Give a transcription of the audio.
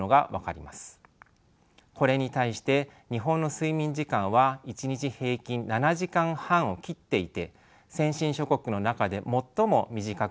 これに対して日本の睡眠時間は１日平均７時間半を切っていて先進諸国の中で最も短くなっています。